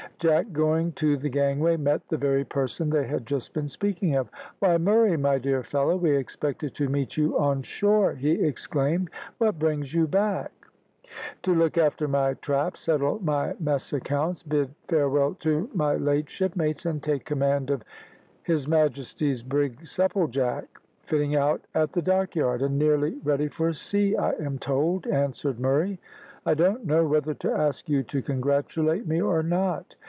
Jack going to the gangway met the very person they had just been speaking of. "Why, Murray, my dear fellow, we expected to meet you on shore!" he exclaimed. "What brings you back?" "To look after my traps, settle my mess accounts, bid farewell to my late shipmates, and take command of HM Brig Supplejack, fitting out at the Dockyard, and nearly ready for sea, I am told," answered Murray. "I don't know whether to ask you to congratulate me or not.